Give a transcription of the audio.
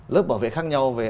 lớp bảo vệ khác nhau về